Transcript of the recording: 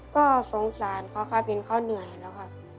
ก็สงสารเขาครับเห็นเขาเหนื่อยแล้วครับ